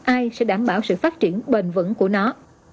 ai sẽ đảm bảo sự phát triển bền vững của nó